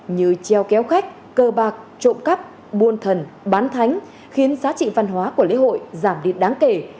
như treo kéo khách cơ bạc trộm cắp buôn thần bán thánh khiến giá trị văn hóa của lễ hội giảm đi đáng kể